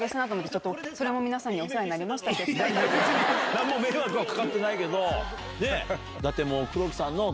何も迷惑はかかってないけど。